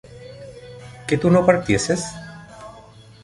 ¿que tú no partieses?